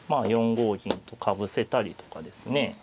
４五銀とかぶせたりとかですね